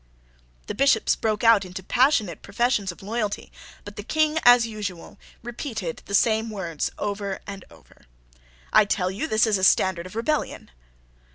The Bishops broke out into passionate professions of loyalty: but the King, as usual, repeated the same words over and over. "I tell you, this is a standard of rebellion."